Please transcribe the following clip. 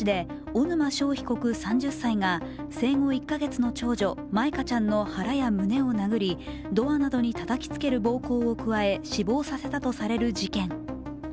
小沼勝被告３０歳が生後１カ月の少女、舞香ちゃんの腹や胸などを殴り、ドアなどにたたつきける暴行を加え死亡させたとする事件。